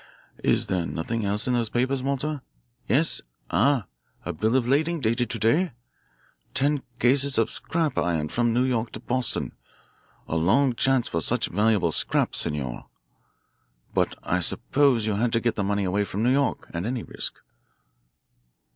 Is there nothing else in those papers, Walter? Yes? Ah, a bill of lading dated to day? Ten cases of 'scrap iron' from New York to Boston a long chance for such valuable 'scrap,' senor, but I suppose you had to get the money away from New York, at any risk."